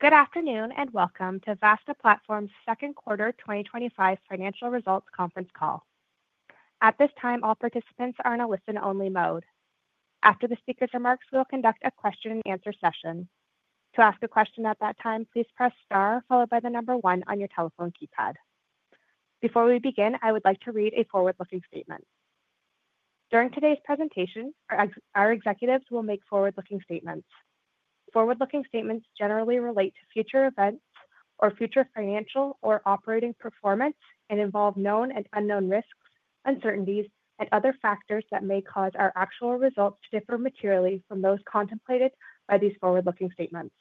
Good afternoon and welcome to Vasta Platform's Second Quarter 2025 Financial Results Conference Call. At this time, all participants are in a listen-only mode. After the speaker's remarks, we will conduct a question and answer session. To ask a question at that time, please press star followed by the number one on your telephone keypad. Before we begin, I would like to read a forward-looking statement. During today's presentation, our executives will make forward-looking statements. Forward-looking statements generally relate to future events or future financial or operating performance and involve known and unknown risks, uncertainties, and other factors that may cause our actual results to differ materially from those contemplated by these forward-looking statements.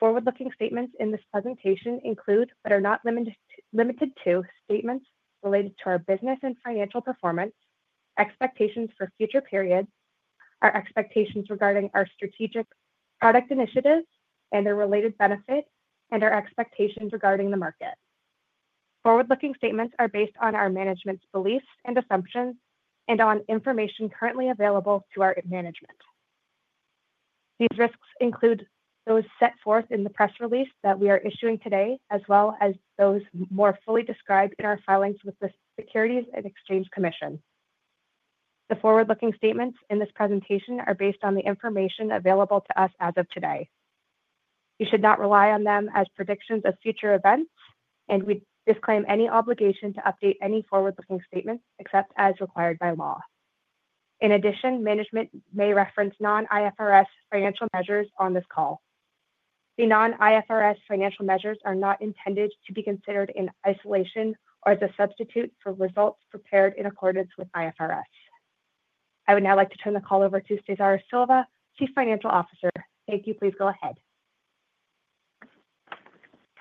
Forward-looking statements in this presentation include, but are not limited to, statements related to our business and financial performance, expectations for future periods, our expectations regarding our strategic product initiatives and their related benefit, and our expectations regarding the market. Forward-looking statements are based on our management's beliefs and assumptions and on information currently available to our management. These risks include those set forth in the press release that we are issuing today, as well as those more fully described in our filings with the Securities and Exchange Commission. The forward-looking statements in this presentation are based on the information available to us as of today. We should not rely on them as predictions of future events, and we disclaim any obligation to update any forward-looking statement except as required by law. In addition, management may reference non-IFRS financial measures on this call. The non-IFRS financial measures are not intended to be considered in isolation or as a substitute for results prepared in accordance with IFRS. I would now like to turn the call over to Cesar Silva, Chief Financial Officer. Thank you. Please go ahead.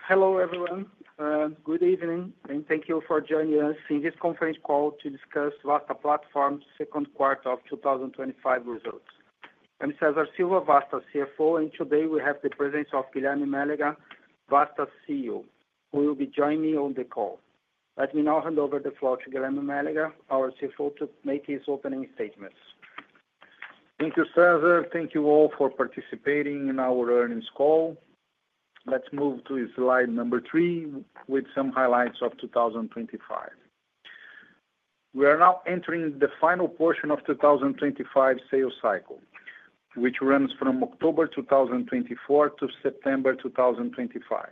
Hello, everyone, and good evening, and thank you for joining us in this conference call to discuss Vasta Platform's second quarter of 2025 results. I'm Cesar Silva, Vasta's CFO, and today we have the presence of Guilherme Mélega, Vasta's CEO, who will be joining me on the call. Let me now hand over the floor to Guilherme Mélega, our CEO, to make his opening statements. Thank you, Cesar. Thank you all for participating in our earnings call. Let's move to slide number three with some highlights of 2025. We are now entering the final portion of the 2025 sales cycle, which runs from October 2024 to September 2025.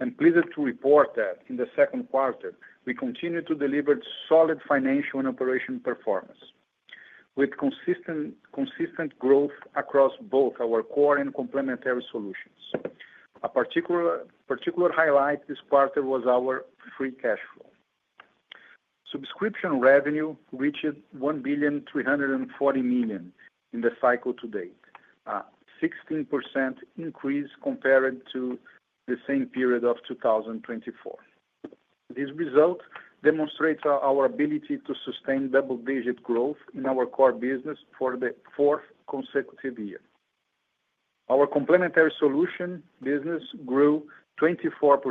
I'm pleased to report that in the second quarter, we continue to deliver solid financial and operational performance with consistent growth across both our core and complementary solutions. A particular highlight this quarter was our free cash flow. Subscription revenue reached 1.34 billion in the cycle to date, a 16% increase compared to the same period of 2024. This result demonstrates our ability to sustain double-digit growth in our core business for the fourth consecutive year. Our complementary solution business grew 24%,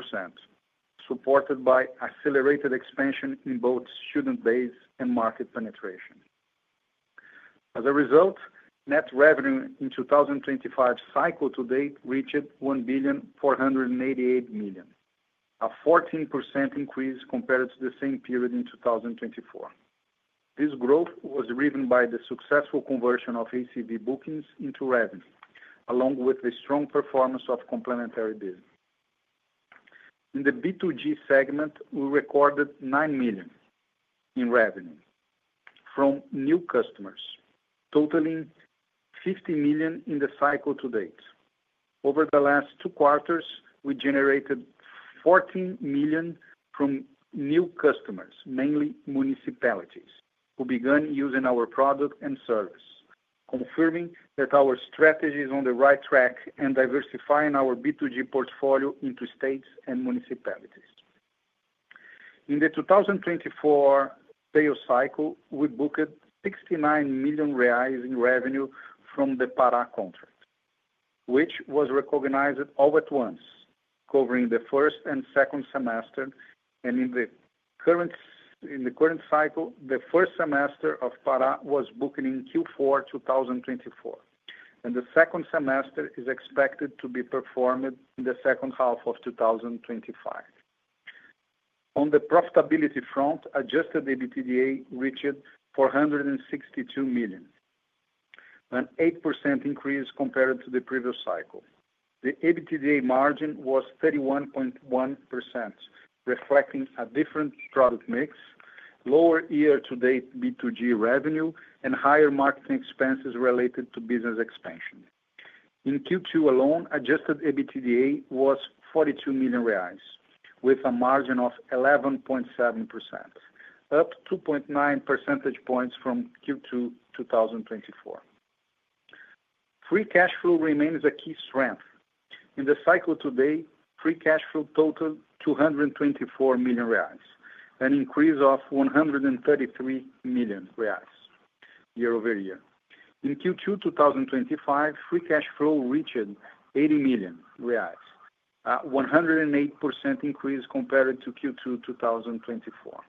supported by accelerated expansion in both student base and market penetration. As a result, net revenue in 2025's cycle to date reached 1.488 billion, a 14% increase compared to the same period in 2024. This growth was driven by the successful conversion of ACV bookings into revenue, along with the strong performance of complementary business. In the B2G segment, we recorded 9 million in revenue from new customers, totaling 50 million in the cycle to date. Over the last two quarters, we generated 14 million from new customers, mainly municipalities, who began using our product and service, confirming that our strategy is on the right track and diversifying our B2G portfolio into states and municipalities. In the 2024 sales cycle, we booked 69 million reais revenue from the PARÁ contract, which was recognized all at once, covering the first and second semester. In the current cycle, the first semester of PARÁ was booked in Q4 2024, and the second semester is expected to be performed in the second half of 2025. On the profitability front, adjusted EBITDA reached 462 million, an 8% increase compared to the previous cycle. The EBITDA margin was 31.1%, reflecting a different product mix, lower year-to-date B2G revenue, and higher marketing expenses related to business expansion. In Q2 alone, adjusted EBITDA was 42 million reais, with a margin of 11.7%, up 2.9 percentage points from Q2 2024. Free cash flow remains a key strength. In the cycle to date, free cash flow totaled 224 million reais, an increase of 133 million reais year-over-year. In Q2 2025, free cash flow reached 80 million reais, a 108% increase compared to Q2 2024.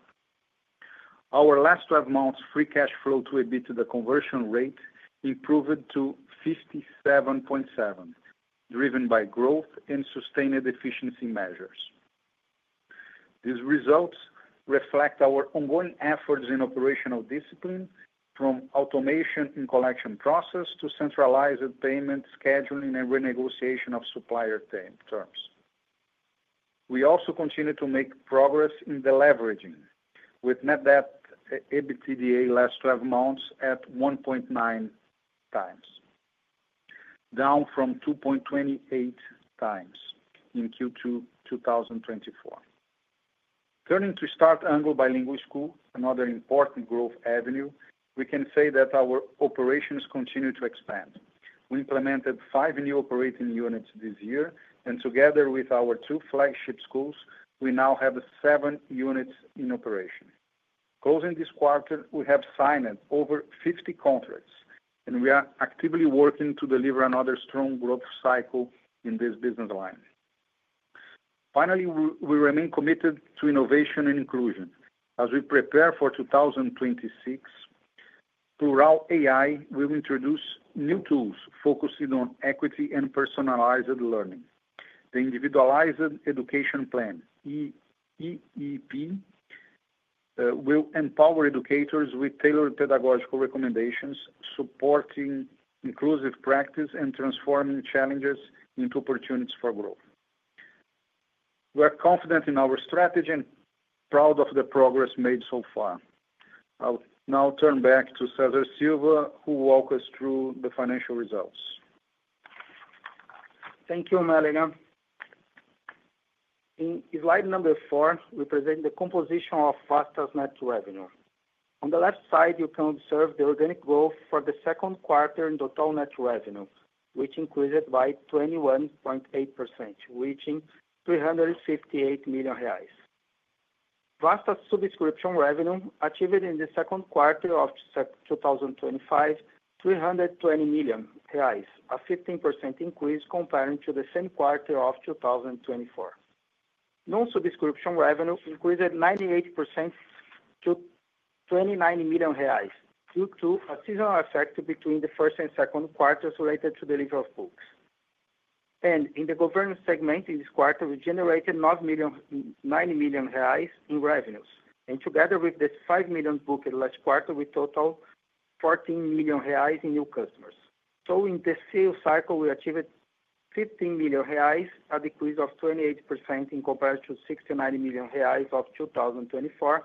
Our last 12 months' free cash flow to EBITDA conversion rate improved to 57.7%, driven by growth and sustained efficiency measures. These results reflect our ongoing efforts in operational discipline, from automation in collection process to centralized payment scheduling and renegotiation of supplier terms. We also continue to make progress in deleveraging, with net debt-to-EBITDA last 12 months at 1.9x, down from 2.28x in Q2 2024. Turning to Start Anglo Bilingual School, another important growth avenue, we can say that our operations continue to expand. We implemented five new operating units this year, and together with our two flagship schools, we now have seven units in operation. Closing this quarter, we have signed over 50 contracts, and we are actively working to deliver another strong growth cycle in this business line. Finally, we remain committed to innovation and inclusion. As we prepare for 2026, Plurall AI will introduce new tools focusing on equity and personalized learning. The Individualized Education Plan, IEP, will empower educators with tailored pedagogical recommendations, supporting inclusive practice and transforming challenges into opportunities for growth. We are confident in our strategy and proud of the progress made so far. I'll now turn back to Cesar Silva, who will walk us through the financial results. Thank you, Mélega. In slide number four, we present the composition of Vasta's net revenue. On the left side, you can observe the organic growth for the second quarter in the total net revenue, which increased by 21.8%, reaching BRL 358 million. Vasta's subscription revenue achieved in the second quarter of 2025, 320 million reais, a 15% increase compared to the same quarter of 2024. Non-subscription revenue increased 98% to 29 million reais due to a seasonal effect between the first and second quarters related to delivery of books. In the governance segment in this quarter, we generated 9 million in revenues. Together with this 5 million booked last quarter, we totaled 14 million reais in new customers. In the sales cycle, we achieved 15 million reais, a decrease of 28% in comparison to 69 million reais of 2024,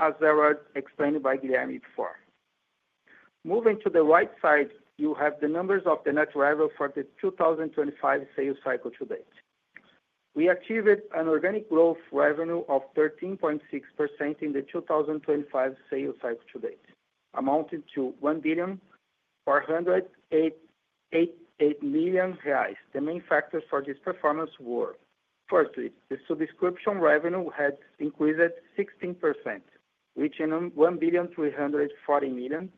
as was explained by Guilherme before. Moving to the right side, you have the numbers of the net revenue for the 2025 sales cycle to date. We achieved an organic growth revenue of 13.6% in the 2025 sales cycle to date, amounting to 1.408 billion. The main factors for this performance were, firstly, the subscription revenue had increased 16%, reaching 1.34 billion,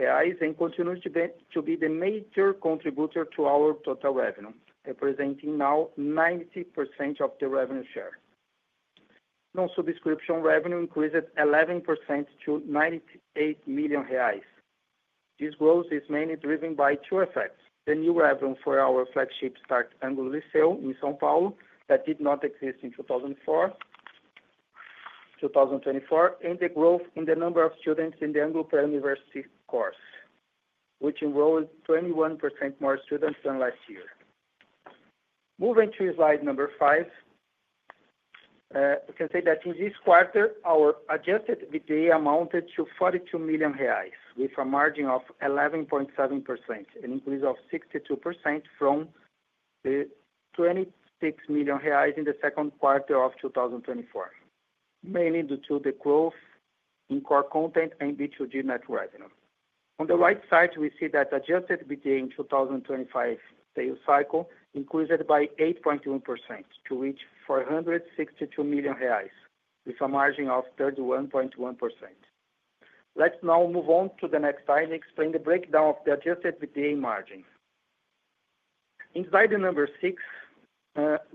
and continues to be the major contributor to our total revenue, representing now 90% of the revenue share. Non-subscription revenue increased 11% to 98 million reais. This growth is mainly driven by two effects: the new revenue for our flagship Start Anglo Bilingual School sale in São Paulo, that did not exist in 2024, and the growth in the number of students in the Anglo pre-university course, which enrolled 21% more students than last year. Moving to slide number five, you can see that in this quarter, our adjusted EBITDA amounted to 42 million reais, with a margin of 11.7%, an increase of 62% from the 26 million reais in the second quarter of 2024, mainly due to the growth in core content and B2G net revenue. On the right side, we see that the adjusted EBITDA in the 2025 sales cycle increased by 8.1% to reach 462 million reais, with a margin of 31.1%. Let's now move on to the next slide and explain the breakdown of the adjusted EBITDA margin. In slide number six,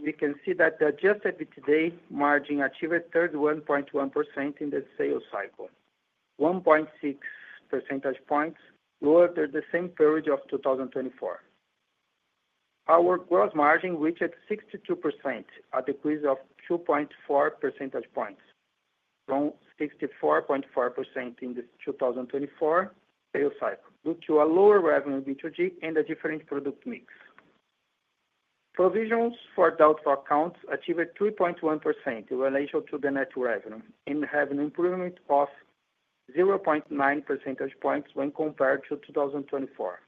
we can see that the adjusted EBITDA margin achieved 31.1% in the sales cycle, 1.6 percentage points lower than the same period of 2024. Our gross margin reached 62%, a decrease of 2.4 percentage points from 64.4% in the 2024 sales cycle, due to a lower revenue in B2G and a different product mix. Provisions for doubtful accounts achieved 3.1% in relation to the net revenue and have an improvement of 0.9 percentage points when compared to 2024.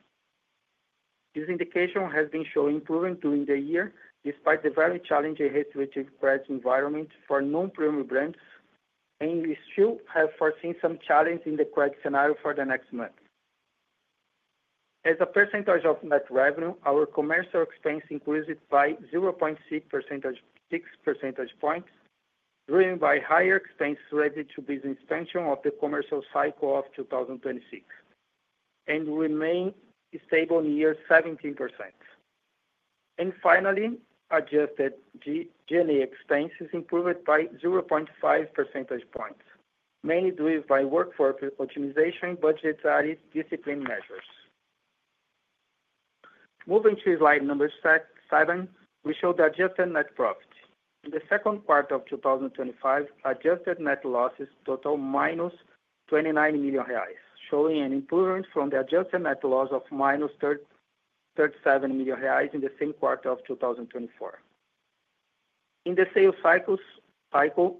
This indication has been showing improvement during the year, despite the very challenging regulatory crisis environment for non-premium brands, and we still have foreseen some challenges in the credit scenario for the next month. As a percentage of net revenue, our commercial expense increased by 0.6 percentage points, driven by higher expense related to business expansion of the commercial cycle of 2026, and we remain stable in the year at 17%. Finally, adjusted G&A expense is improved by 0.5 percentage points, mainly driven by workforce optimization and budgetary discipline measures. Moving to slide number seven, we show the adjusted net profit. In the second quarter of 2025, adjusted net losses total -29 million reais, showing an improvement from the adjusted net loss of -37 million reais in the same quarter of 2024. In the sales cycle,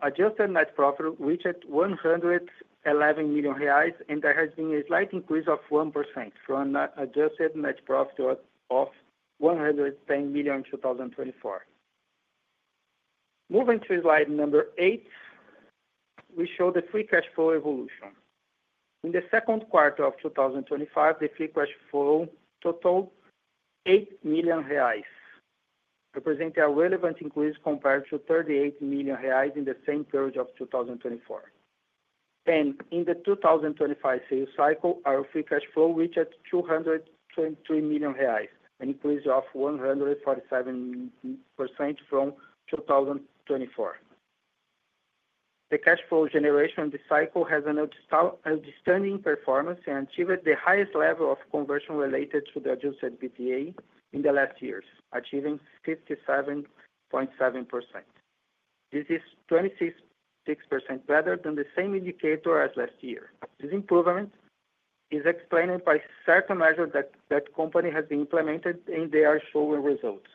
adjusted net profit reached 111 million reais, and there has been a slight increase of 1% from an adjusted net profit of 110 million in 2024. Moving to slide number eight, we show the free cash flow evolution. In the second quarter of 2025, the free cash flow totaled 8 million reais, representing a relevant increase compared to 38 million reais in the same period of 2024. In the 2025 sales cycle, our free cash flow reached 223 million reais, an increase of 147% from 2024. The cash flow generation in this cycle has an outstanding performance and achieved the highest level of conversion related to the adjusted EBITDA in the last years, achieving 57.7%. This is 26% better than the same indicator as last year. This improvement is explained by certain measures that the company has been implementing and they are showing results.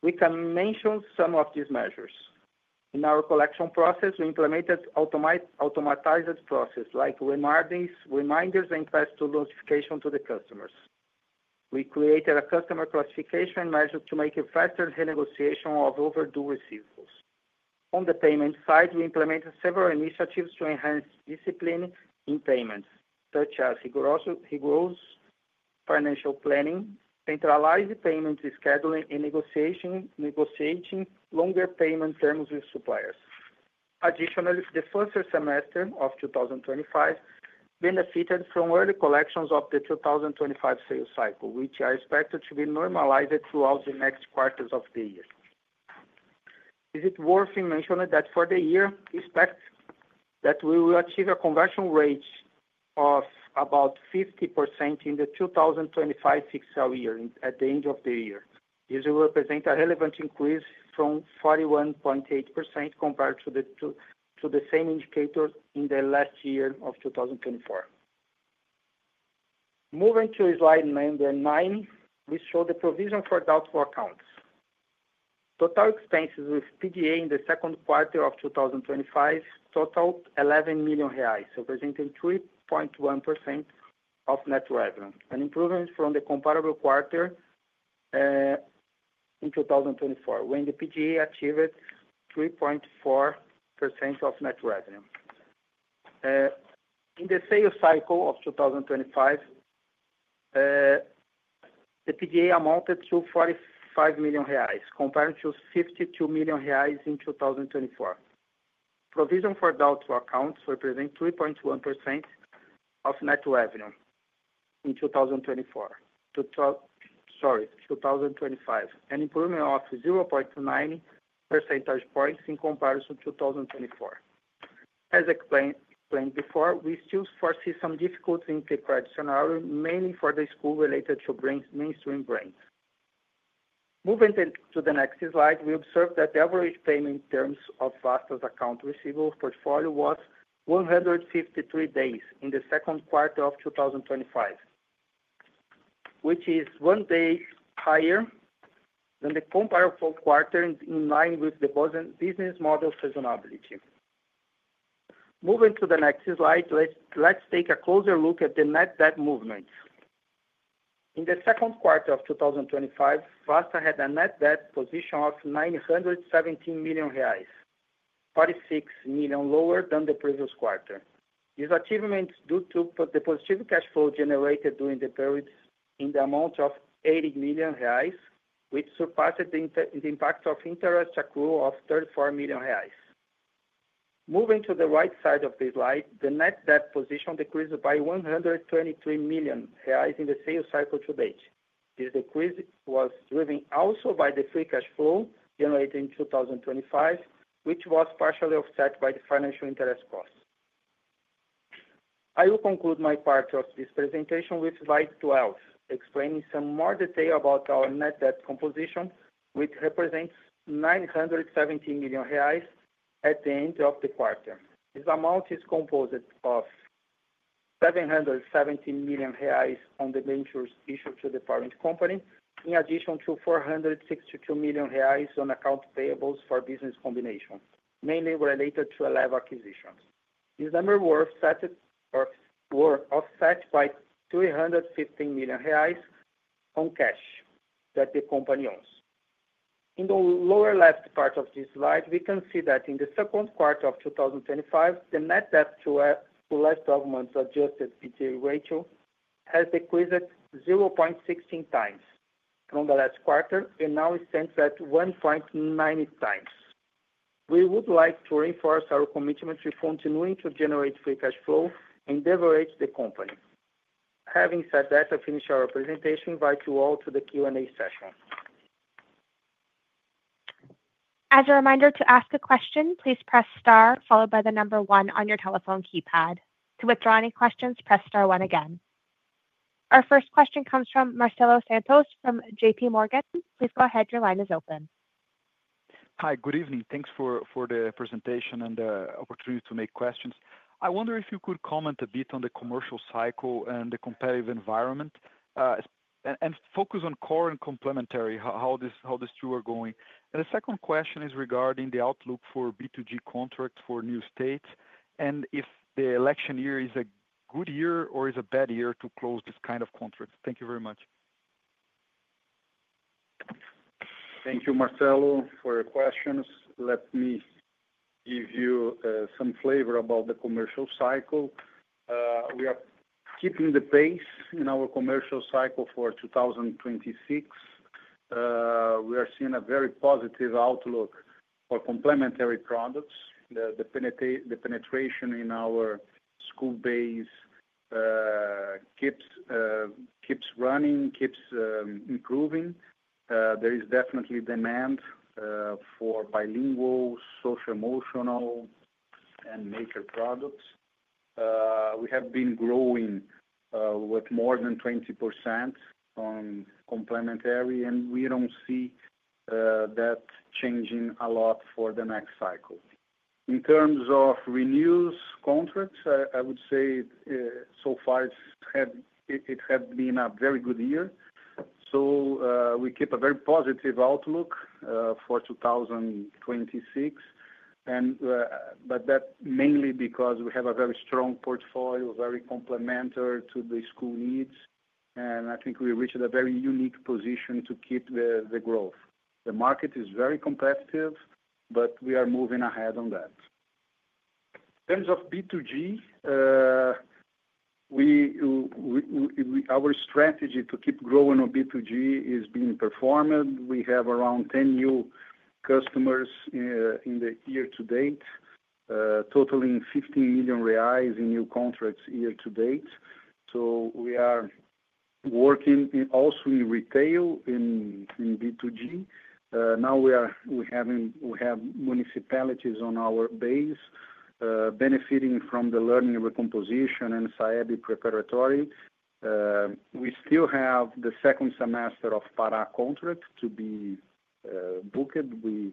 We can mention some of these measures. In our collection process, we implemented an automatized process, like reminders and fast notifications to the customers. We created a customer classification measure to make a faster renegotiation of overdue receivables. On the payment side, we implemented several initiatives to enhance discipline in payments, such as rigorous financial planning, centralized payment scheduling, and negotiating longer payment terms with suppliers. Additionally, the first semester of 2025 benefited from early collections of the 2025 sales cycle, which are expected to be normalized throughout the next quarters of the year. It is worth mentioning that for the year, we expect that we will achieve a conversion rate of about 50% in the 2025 fiscal year at the end of the year. This will represent a relevant increase from 41.8% compared to the same indicator in the last year of 2024. Moving to slide number nine, we show the provision for doubtful accounts. Total expenses with PDA in the second quarter of 2025 totaled 11 million reais, representing 3.1% of net revenue, an improvement from the comparable quarter in 2024, when the PDA achieved 3.4% of net revenue. In the sales cycle of 2025, the PDA amounted to 45 million reais, compared to 52 million reais in 2024. Provision for doubtful accounts represents 3.1% of net revenue in 2025, an improvement of 0.29 percentage points in comparison to 2024. As explained before, we still foresee some difficulties in the credit scenario, mainly for the schools related to mainstream brands. Moving to the next slide, we observe that the average payment terms of Vasta's accounts receivable portfolio was 153 days in the second quarter of 2025, which is one day higher than the comparable quarter in line with the business model's reasonability. Moving to the next slide, let's take a closer look at the net debt movement. In the second quarter of 2025, Vasta had a net debt position of 917 million reais, 46 million lower than the previous quarter. These achievements are due to the positive cash flow generated during the period in the amount of 80 million reais, which surpassed the impact of interest accrued of 34 million reais. Moving to the right side of the slide, the net debt position decreased by 123 million reais in the sales cycle to date. This decrease was driven also by the free cash flow generated in 2025, which was partially offset by the financial interest costs. I will conclude my part of this presentation with slide 12, explaining some more detail about our net debt composition, which represents 917 million reais at the end of the quarter. This amount is composed of 717 million reais on the debentures issued to the parent company, in addition to 462 million reais on accounts payables for business combination, mainly related to 11 acquisitions. These numbers were offset by 315 million reais on cash that the company owns. In the lower left part of this slide, we can see that in the second quarter of 2025, the net debt-to-EBITDA ratio for the last 12 months has decreased 0.16x from the last quarter and now is centered at 1.9x. We would like to reinforce our commitment to continuing to generate free cash flow and leverage the company. Having said that, I finish our presentation and invite you all to the Q&A session. As a reminder, to ask a question, please press star followed by the number one on your telephone keypad. To withdraw any questions, press star one again. Our first question comes from Marcelo Santos from JPMorgan. Please go ahead. Your line is open. Hi. Good evening. Thanks for the presentation and the opportunity to make questions. I wonder if you could comment a bit on the commercial cycle and the competitive environment, and focus on core and complementary, how these two are going. The second question is regarding the outlook for B2G contracts for new states and if the election year is a good year or is a bad year to close this kind of contracts. Thank you very much. Thank you, Marcelo, for your questions. Let me give you some flavor about the commercial cycle. We are keeping the pace in our commercial cycle for 2026. We are seeing a very positive outlook for complementary products. The penetration in our school base keeps running, keeps improving. There is definitely demand for bilingual, social-emotional, and nature products. We have been growing, with more than 20% on complementary, and we don't see that changing a lot for the next cycle. In terms of renewed contracts, I would say, so far, it had been a very good year. We keep a very positive outlook for 2026, mainly because we have a very strong portfolio, very complementary to the school needs, and I think we reached a very unique position to keep the growth. The market is very competitive, but we are moving ahead on that. In terms of B2G, our strategy to keep growing on B2G has been performative. We have around 10 new customers in the year to date, totaling 15 million reais in new contracts year to date. We are working also in retail in B2G. Now we have municipalities on our base, benefiting from the learning recomposition and SAED preparatory. We still have the second semester of the PARÁ contract to be booked. We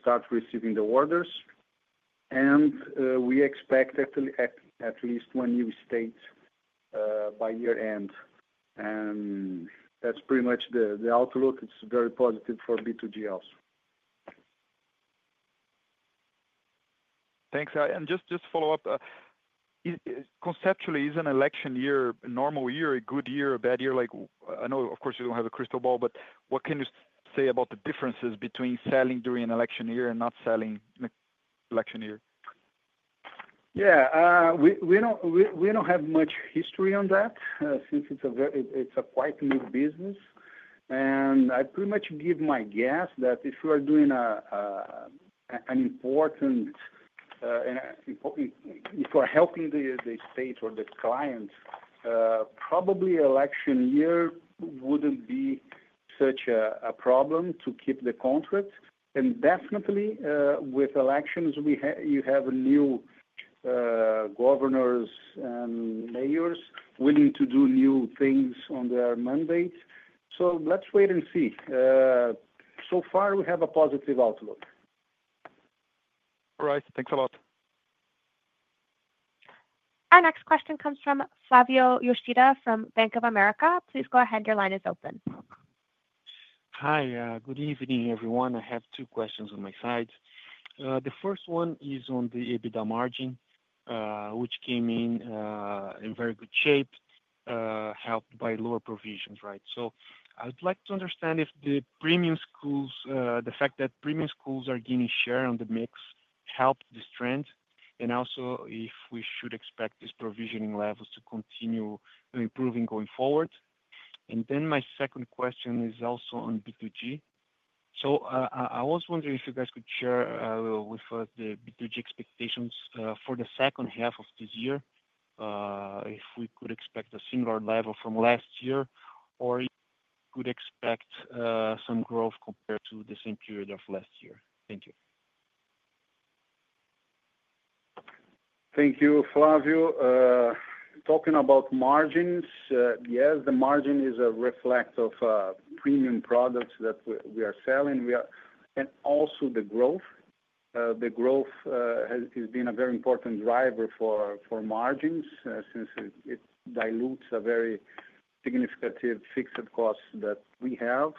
start receiving the orders, and we expect at least one new state by year-end. That's pretty much the outlook. It's very positive for B2G also. Thanks. Just to follow up, conceptually, is an election year a normal year, a good year, a bad year? I know, of course, you don't have a crystal ball, but what can you say about the differences between selling during an election year and not selling in an election year? Yeah. We don't have much history on that since it's a very, it's a quite new business. I pretty much give my guess that if you are doing an important, if you are helping the state or the client, probably election year wouldn't be such a problem to keep the contract. Definitely, with elections, you have new governors and mayors willing to do new things on their mandates. Let's wait and see. So far, we have a positive outlook. All right, thanks a lot. Our next question comes from Flavio Yoshida from Bank of America. Please go ahead. Your line is open. Hi. Good evening, everyone. I have two questions on my side. The first one is on the EBITDA margin, which came in in very good shape, helped by lower provisions, right? I would like to understand if the premium schools, the fact that premium schools are gaining share on the mix, helps this trend and also if we should expect this provisioning level to continue improving going forward. My second question is also on B2G. I was wondering if you guys could share with us the B2G expectations for the second half of this year, if we could expect a similar level from last year or if we could expect some growth compared to the same period of last year. Thank you. Thank you, Flavio. Talking about margins, yes, the margin is a reflect of premium products that we are selling. We are, and also the growth. The growth has been a very important driver for margins since it dilutes a very significant fixed cost that we have.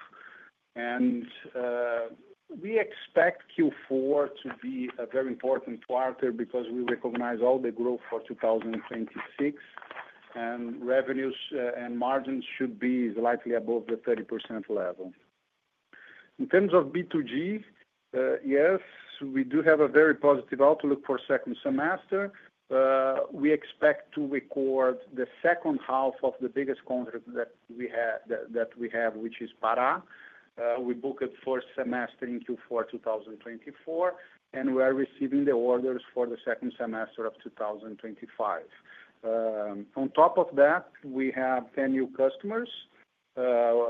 We expect Q4 to be a very important quarter because we recognize all the growth for 2026, and revenues and margins should be slightly above the 30% level. In terms of B2G, yes, we do have a very positive outlook for the second semester. We expect to record the second half of the biggest contract that we have, which is PARÁ. We booked the first semester in Q4 2024, and we are receiving the orders for the second semester of 2025. On top of that, we have 10 new customers,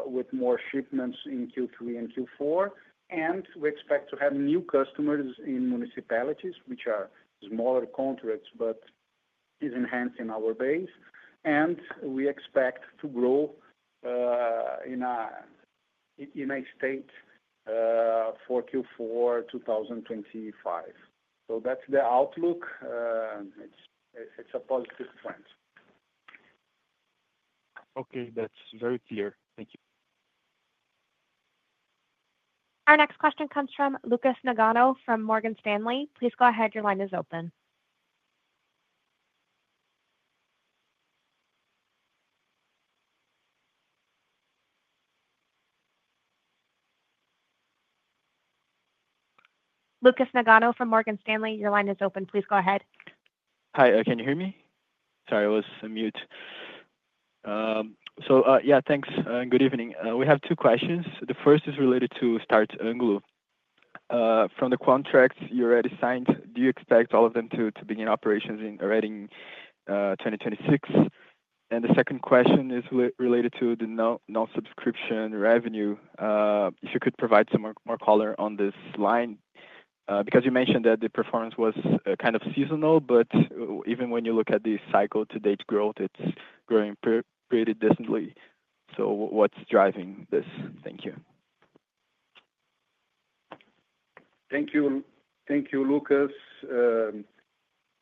with more shipments in Q3 and Q4, and we expect to have new customers in municipalities, which are smaller contracts but enhancing our base. We expect to grow in a state for Q4 2025. That's the outlook. It's a positive trend. Okay, that's very clear. Thank you. Our next question comes from Lucas Nagano from Morgan Stanley. Please go ahead. Your line is open. Please go ahead. Hi. Can you hear me? Sorry, I was on mute. Yeah, thanks, and good evening. We have two questions. The first is related to Start Anglo. From the contracts you already signed, do you expect all of them to begin operations already in 2026? The second question is related to the non-subscription revenue. If you could provide some more color on this line, because you mentioned that the performance was kind of seasonal, but even when you look at the cycle-to-date growth, it's growing pretty decently. What's driving this? Thank you. Thank you. Thank you, Lucas.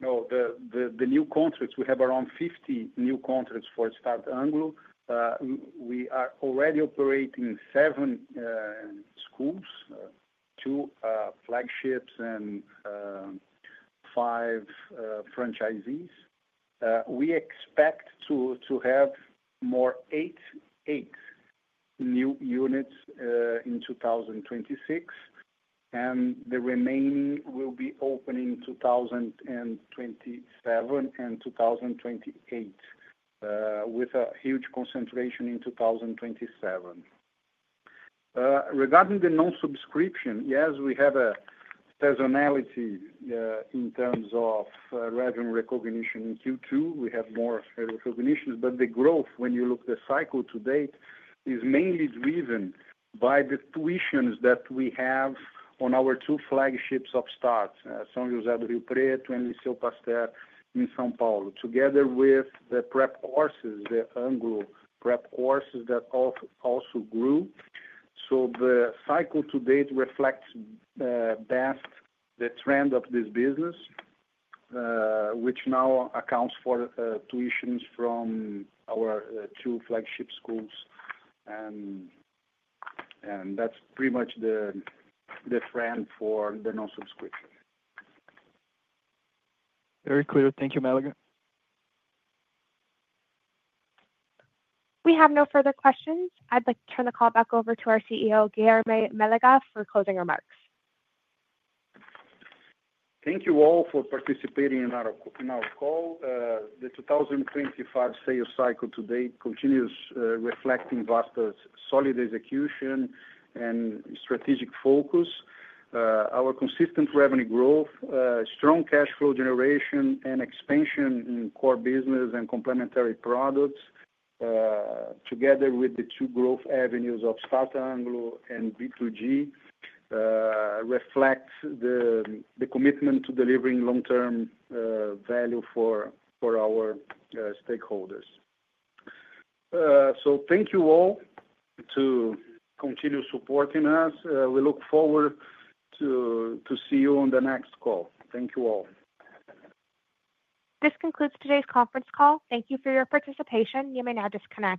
No, the new contracts, we have around 50 new contracts for Start Anglo. We are already operating seven schools, two flagships, and five franchisees. We expect to have eight more new units in 2026, and the remaining will be opening in 2027 and 2028, with a huge concentration in 2027. Regarding the non-subscription, yes, we have a seasonality in terms of revenue recognition in Q2. We have more recognitions, but the growth, when you look at the cycle to date, is mainly driven by the tuitions that we have on our two flagships of Start, São José do Rio Preto and Liceu Pasteur in São Paulo, together with the prep courses, the Anglo prep courses that also grew. The cycle to date reflects best the trend of this business, which now accounts for tuitions from our two flagship schools. That's pretty much the trend for the non-subscription. Very clear. Thank you, Mélega. We have no further questions. I'd like to turn the call back over to our CEO, Guilherme Mélega, for closing remarks. Thank you all for participating in our call. The 2025 sales cycle to date continues reflecting Vasta's solid execution and strategic focus. Our consistent revenue growth, strong cash flow generation, and expansion in core business and complementary products, together with the two growth avenues of Start Anglo and B2G, reflect the commitment to delivering long-term value for our stakeholders. Thank you all for continuing to support us. We look forward to seeing you on the next call. Thank you all. This concludes today's conference call. Thank you for your participation. You may now disconnect.